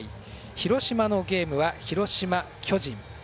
広島のゲームは広島、巨人。